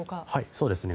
そうですね。